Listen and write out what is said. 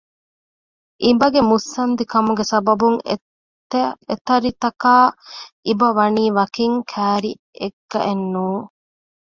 އިނބަގެ މުއްސަނދި ކަމުގެ ސަބަބުން އެތަރިތަކާ އިނބަވަނީ ވަކިން ކައިރިއެއްގައެއް ނޫން